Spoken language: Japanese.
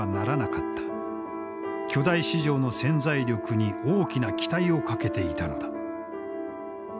巨大市場の潜在力に大きな期待をかけていたのだ。